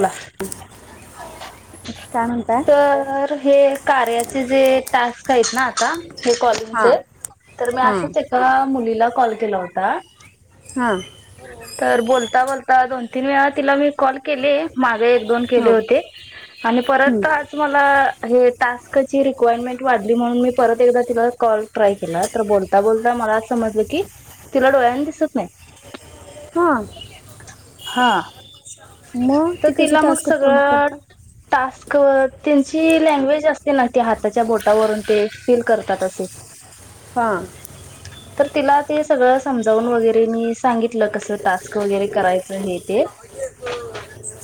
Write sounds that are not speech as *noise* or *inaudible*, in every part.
ला काय म्हणताय तर हे कार्याचे जे टास्क आहेत ना आता हे हां कॉलिंगचे तर मी हां असंच एका मुलीला कॉल केला होता. हा. तर बोलता बोलता दोन. तिन तिला वि कॉल केले मागे एक दोन केले हां होते आणि हं. परत आज मला हे टास्कची. रीकॉइंटमेंट वाढली म्हणून मी परत एकदा तिला कॉल ट्राय केला तर बोलता बोलता मला समजलं की तिला डोळ्याने दिसत नाय. हा. हां. मग तर ती कसं तिला मग टास्क पूर्ण सगळं करता टास्क- त्यांची लँग्वेज असते ना ती हाताच्या बोटावरून ते फील करतात असे. हां. तर तिला ते सगळं समजावून वगैरे मी सांगितलं कसं टास्क वगैरे करायचं हे ते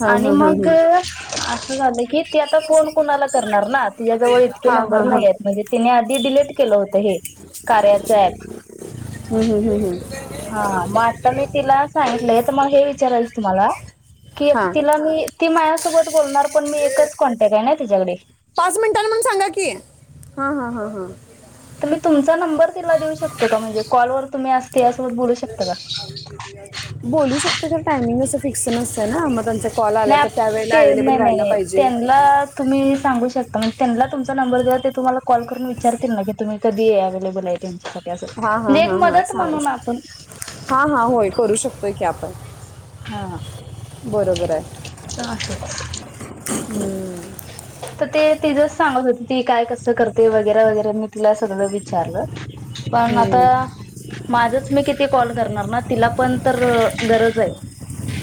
हां आणि हां मग हां असं झालं की त्या आता कोण कोणाला करणार ना. तिच्या जवळ इतके हां नंबर हां हां नाहीयेत म्हणजे तिने आधी डलेट केलं होत हे कार्याच ॲप हं, हं, हं, हं. हा म आता मी तिला सांग नाही त मग हे विचारायच तुम्हाला की एक हां तिला मी ती माझ्यासोबत बोलणार पण मी एकच कॉन्टॅके ना तच्याकडे पाच मिनिटाला म्हणून सांगा की ह ह ह ह. तर मी तुमचा नंबर तिला देऊ शकते का म्हणजे कॉलवर तुम्ही अस तीयासोबत बोलू शकता का? बोलू शकते खर टायमिंग अस फिक्स नसत ना मग त्यांसा नाही ते नाही नाही त्यांना तुम्ही सांगू शकता मग त्यांना तुमचा नंबर द्यावा ते तुम्हाला कॉल करून विचारतील ना की तुम्ही कधीये अवेलेबल त्यांच्या साठी हा हा हा हा सांगू शकता हा हा होय करू शकतो. होय की आपण हा. बरोबर आहे. *inaudible* हम्म. त ते तिझ सांगत होते ती काय कसं करते वगैरे वगैरे मी तिला सगळं विचारलं. पण हं. आता- माझंच मी किती कॉल करणार ना तिला पण तर गरज आहे.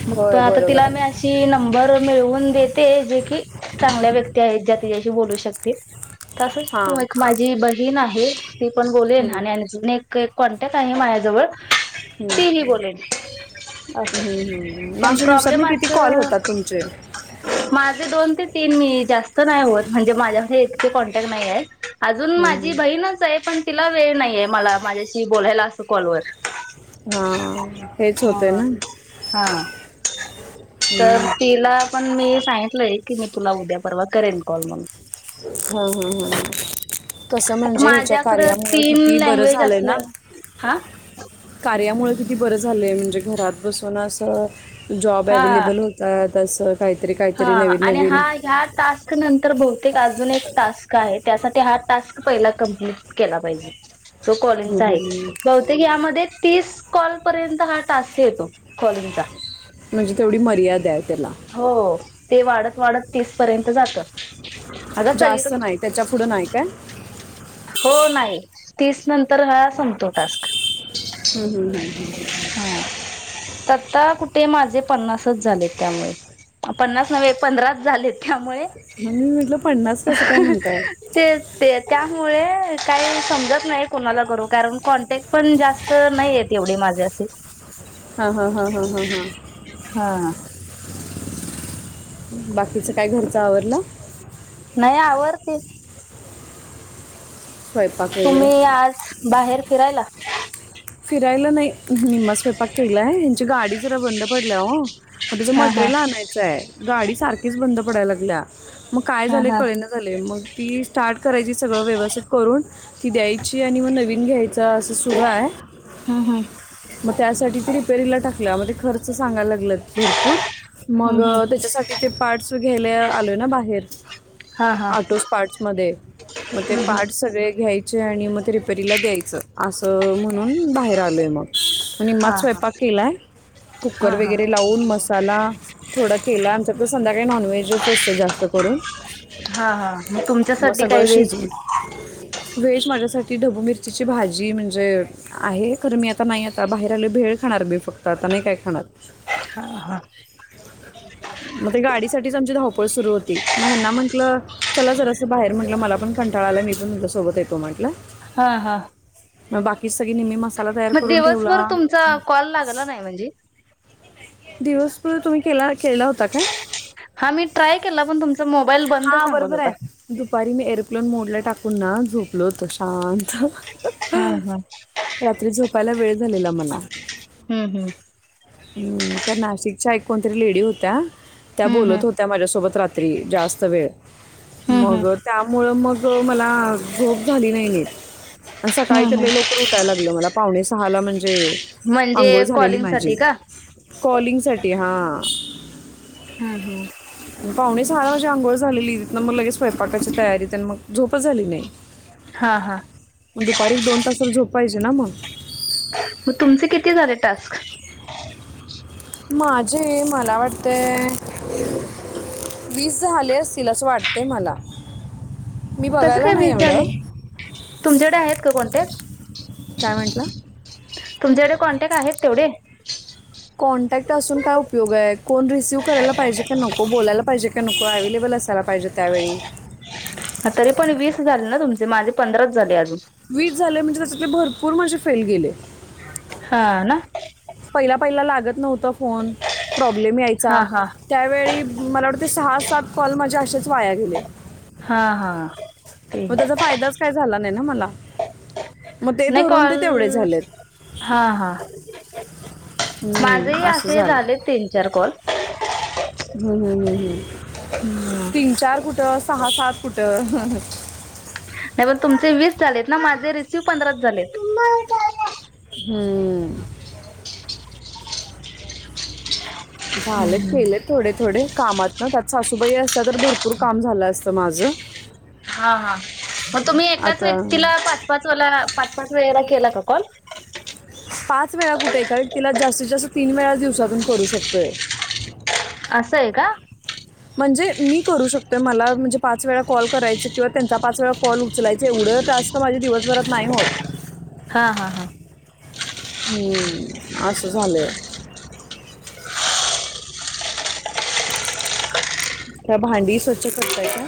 मग होय आता बरोबर तिला मी आहे अशी नंबर- मीळवून देेत जे की- चांगल्या व्यक्ती आहेत ज्या तिच्याशी बोलू शकतील. तसच हां तू एक माझी बहीण- तीन आहे. ती पण बोलेल हं, आणि अजून एक- कॉन्टॅक्ट आहे मायाजवळ हं. तिही बोलेल अस, हम्म, हम्म. पण मागच्या दिवसात ना प्रॉब्लेम किती अस कॉल होतात तुमचे हम्म, माझ दोन ते तीन मिनी जास्त नाही होत. म्हणजे माझ्या कडे इतके कॉन्टॅक्ट नाही आहे. अजून माझी हम्म. बहीणच आहे पण- तिला वेळ नाहीये, मला माझ्याशी बोलायला असं कॉलवर - हां हेच होतय ना- हा. तर हम्म. तिला- पण मी सांगितलंय की मी तुला उद्या परवा करेन कॉल म्हणून. हम्म हम्म हम्म कसं आता म्हणजे ह्याच्या माझ्याकडं कार्यामुळं तीन किती बरं लँग्वेज झालंय ना? असल्या हा कार्यामुळे किती बरं झालंय म्हणजे घरात बसून असं जॉब अवे्लेबल होतात. तसं- हां आणि हा ह्या टास्क नंतर ब- अजून एक टास्क आहे. त्यासाठी हा टास्क पहिला कंप्लीट केला पाहिजे. तो हम्म, कॉलिंगचा आहे. हम्म. बहुतेक यामध्ये- तीस कॉल पर्यंत हा टास्क येतो कॉलिंगचा- म्हणजे तेवढी मर्यादा आहेत. हो. ते वाढत वाढत तीसपर्यंत जातं - जास्त नाही त्याच्या पुुढं नाही काय? हो नाही तीस नंतर हळा संपतो टास्क- हम्म हम्म हा हम आता कुठे माझे पन्नासच झाले. त्यामुळे पन्नास न पंधराच झाले त्यामुळे मम्हणून मी म्हटलं पन्नास कसं काय म्हणताय? मुळे काही समजत नाही, कोणाला करू कारण कॉन्टॅक्ट पण जास्त नाहीेत एवढे माझे असे- हा हा हा हा हा हा हा बाकीचं काय घरचं आवरलं? नाही आवरती, स्वयंपाक वगैरे तुम्ही आज बाहेर फिरायला? जायला नाही. निम्मा स्वयपाक केलाय हयाची गाडी जरा बंद पडल्या हो मग त्याचं हा हा मटेरियल आणायचंय गाडी सारखीच बंद पडायला- ला मग काय हा झालं हा कळेना झालय मग ती स्टार्ट करायची सगळं व्यवस्थित करून ती द्यायची आणि मग नवीन घ्याय असं सुरू हाय. हम्म हम्म मग त्यासाठी ती रिपेरी लाच टाकला मग ते खर्च सांगा भरपूर मग हम्म हम्म त्याच्यासाठी ते पार्टस घ्यायला आलोय ना बाहेर हा हा ऑटोस पार्टस मधे मग ते हम्म हम्म पार्ट सगळे घ्याय ते मग रिपेरीला द्यायच अस म्हणून बाहेर आलोय मग हा निम्माच हा स्वयंपाक केलाय हा कुकर हा वगैरे लावून मसाला थोडा केला आमच्या तर संध्याकाय नॉनव्हेज अस असतय जास्त करून हा हा मग मग तुमच्यासाठी सगळ काय वेज शिजवून व्हेज माझ्यासाठी ढबू मिरचीची भाजी म्हणजे आहे खर मी आता नाही आता बाहेर आले भेळ खाणार मी फक्त आता नाही काय खाणार हा हा. मग ते गाडी साठीच आमची धावपळ सुरु होती. मग ह्याना म्हटलं चला जरा असं बाहेर म्हंटलं मला पण कंटाळा आलाय मि पण तुमच्यासोबत येतो म्हटलं. हा हा. म बाकी ही सगळी *unintelligible* मग करून दिवसभर ठेवला तुमचा कॉल लागला नाही म्हणजे दिवसभर तुम्ही केला केला होता काय? हा मी ट्राय केला पण तुम मोबाईल बंद सांगत होता. मोडलं टाकून ना झोपलो होतो शांत हा हा. रात्री झोपायला वेळ झालेला मला हम्म हम्म हम्म तर नाशिकच्या एक कोणतरी लेडी होत्या. त्या हम्म हम्म बोलत होत्या माझ्यासोबत रात्री. रात्री जास्त. *unintelligible* हम्म हम्म मग त्यामुळं मग हो मला झोप झाली नाही नीट. अन सकाळी तर हम्म हम्म लई लवकर उठायला लागलं मला. पावणे सहाला म्हण जे अंघोळ म्हणजे झालेली कॉलिंग माझी साठी का? कॉलिंगसाठी हां हम्म हम्म. पावणे सहा म्हण हे अंघोळ झालेली तिथनं मग लगेच स्वयंपाकाची तयारी तेन मग झोपच झाली नाही. हा हा दुपारी दोन तासाला झोप पाहिजे ना मग? म तुमचे कि ती झाले टास्क? माझे मला वाटतंय वीस झाले असतील असं वाटतंय मला. मी कसं बघायला काय नाही वीज झाले? एवढं तुमच्याकडे आहेत का कॉन्टॅक्ट? काय म्हटलं तुमच्याकडे कॉन्टॅक्ट आहेत तेवढे? कॉन्टॅक्ट असून काय उपयोग आहे कोण रिसिव्ह करायला पाहिजे का नको? बोलायला पाहिजे का नको? अव्हेलेबल असायला पाहिजे, त्यावेळी तरी पण, वीस झाले ना तुमचे, माझे पंधराच झाले अजून वीस झाले म्हणजे त्याच्यातले भर पूर माझे फेल गेले. हा ना. पहिला पहिला लागत नव्हता फोन. प्रॉब्लेम यायचा, हा हा त्यावेळी मला वाटतं ते सहा सात कॉल माझे असेच वाया गेले. हा हा. ते मग त्याचा फायदाच काय झाला नाही ना मला मग ते नाही धरून कॉल, ते तेवढे झालेत हा हा. हम्म, माझेही असं असे झालं झालेत, हम्म, तीन चार कॉल. हुं हुं हुं हम्म. हुं. तीन चार कुठं? सहा सात कुठ? हे बघ, तुमचे वीस झालेत ना, माझे रिसीव पंधराच झालेत. *inaudible* हम. झालेत केलेत थोडे थोडे कामात ना त्यात सासूबाई असत्या, तर भरपूर काम झालं असत माझं. हा हा मग तुम्ही एकाच आता व्यक्तीला पाच पाच वाला पाच पाच वेळेला केला का कॉल? *unintelligible* पाच वेळा कुठे कारण तिला जास्तीत जास्त तीन वेळा दिवसातून करू शकतोय. असं आहे का? म्हणजे मी करू शकतोय मला म्हणजे पाच वेळा कॉल करायच किंवा त्यांचा पाच वेळा कॉल उचलायच एवढं टस्क माझे दिवसभरात नाही होत. हा हा हा. हम्म आस झालंय. त्या भांडी स्वच्छ करताय काय?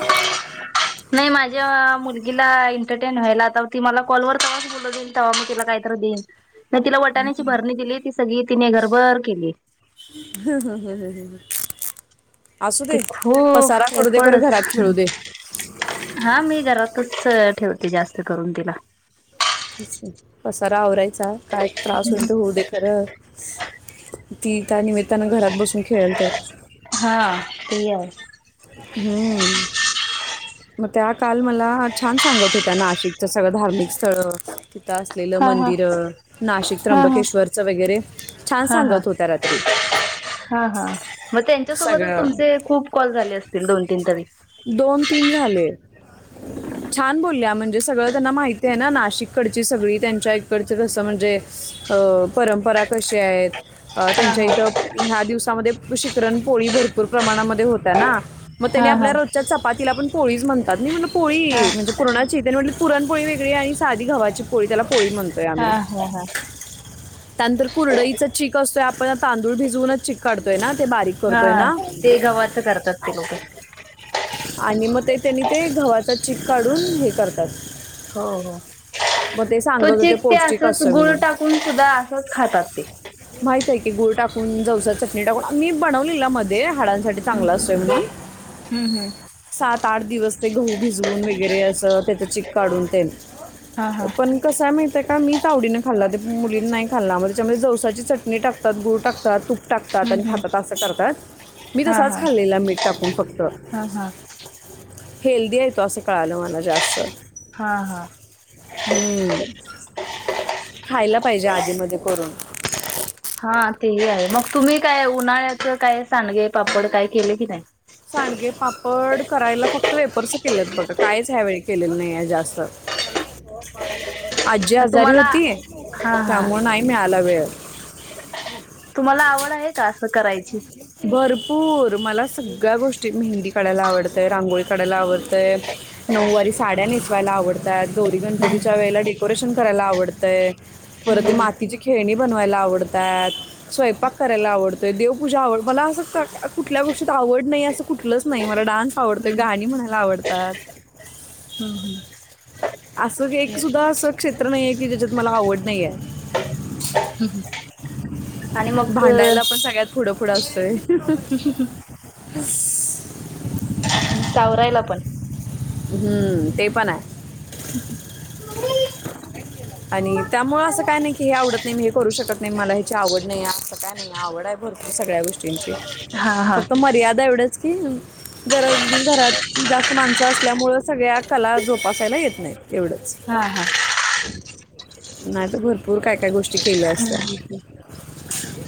नाही माझ्या मुलगीला एंटरटेन व्हायला आता ती मला कॉलवर तेव्हाच बोल देईन तेव्हा मग तिला काहीत देईन नाही तिला वटाण्याची भरणी दिली. सगळी तिने घरबर केली. हम हम् हम ह. ते खूप खरं घरात एफर्डच खेळू दे हा मी घरातच ठेवते जास्त करून तिला. तेच पसारा आवरायचा काय त्रास होईल तर होऊ दे खरं ती त्यानमित्तानं घरात बसून खेळल तर. हा ते आहे हम्म. मग त्या काल मला छान सांगत होत्या नाशिकच सगळं धार्मिक स्थळ तिथं असलेलं हा हा. मंदिर नाशिक हा हा. त्र्यंबकेश्वरच वगैरे छान हा हा. सांगत होत्या रात्री. हा हा मग त्यांच्यासोबतच सगळं तुमचे खूप कॉल झाले असतील दोन तीन तरी दोन छान बोलल्या म्हणजे सगळं त्यांना माहिती आहे ना नाशिककडची सगळी त्यांच्या इकडच कसं म्हणजे अ परंपरा कशी आहेत. अ हा त्यांच्या इथ हा ह्या दिवसामध्ये शिखरण पोळी भरपूर प्रमाणामध्ये होत ना मग त्यानी हा आपल्या हा रोजच्या चपा पोळीच म्हणतात म्हण हा पोळी म्हणजे पुरणाची म्हटली पुरणपोळी वेगळी आणि साधी घावाची पोळी त्याला पोळी म्हणतोय हा आम्ही. हा हा त्यानंतर कुरडईचा चीक असतोय आपण तांदूळ भिजवूनच चीक काढतोय ना ते बारीक हा करतोय ना ते गव्हाचं करतात ते लोक. आणि मग ते त्यांनी ते गव्हाचा चीक काढून हे करतात. हो हो मग ते सांगत होते क्वचित ते पौष्टिक असंच असतं गुळ म्हणून टाकून सुद्धा असंच खातात ते. गुळ टाकून जवसा ची चटणी टाकून आ मी बनवलीला मध्ये हाडांसाठी चांगला हम्म असो म हम्म हम्म हम्म सात आठ दिवस ते गहू भिजून वगैरे असं चीक काढून तेल हा हा पण कस माहित आ मी तावडीने खाल्ला ते मुलींने नाही खाल्ला मग त्याच्यामध्ये जवसाची चटणी टाकतात गूड टाकतात तुप टाकतात आणि हम्म हम्म खातात असं करतात मी हा तसाच हा खाल्लेला मीठ टाकून फक्त हा हा हेल्दी आहे तो असं कळालं मला जास्त हा हा हम्म खायला पाहिजे आधीमध्ये करून हा तेही आहे मग तुम्ही काय उन्हाळ्याचं काय सांडगे पापड काय केले की नाही? सांडगे पापड करायला फक्त वेपरस केलेत बघ काहीच ह्यावेळी केलेलं नाहीय जास्त. आजी आजारी तुम्हाला होती हा हा त्यामुळे नाही मिळाला वेळ तुम्हाला आवड आहे का? करायची भरपूर मला सगळ्या गोष्टी मेहंदी काढायला आवडतं आहे. रांगोळी काढायला आवडतं आहे. नऊवारी साड्या नेसायला आवडतात. गोरी गणपतीच्या वेळे डेकोरेश करायला आवडतंय. परत ते हम्म मातीची खेळणी, बनवायला आवडतात, स्वंपाक करायला आवडतोय, देवपूजा आव मला असं कुठल्या गोष्टीत आवड नाही असं कुठलंच नाही मला डान्स आवडतोय, हम्म गाणी म्हणायला आवडतात, हम्म असं एक सुद्धा असं क्षेत्र नाहीये की ज्याच्यात मला आवड नाही आहे! हम् हम आणि मग थोडा असं सावरायला पण हम्म ते पण आहे. आणि त्यामुळे असं काय नाही की हे आवडत नाही मी हे करू शकत नाही मला ह्याची आवड नाही, असं काय नाही आवड आहे भरपूर सगळ्या गोष्टींची हा हा ज घरात जास्त माण ल्यामुळं सगळ्या कला जोपासायला येत नाहीत. एवढंच हा हा नाही तर भरपूर काय काय गोष्ट ह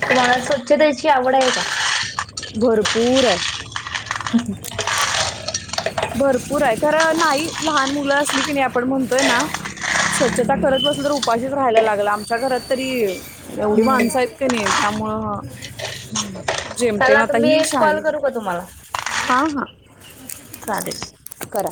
तुमाला स्वच्छतेची आवड आहे का बरर पूर हाय. हूं! भरपूर आहे खर नाही लहान मुलं असली की नाही आपण म्हणतोय ना, स्वच्छता करत बसल तर उपाशीच राहायला लागल, आमच्या घरात तरी. एवढी हम्म माणसं आहेत का नाही. त्यामुळ. जेमते म चला आता मी ही एक कॉल शाळे करू का हा हा. *inaudible* साधे. करा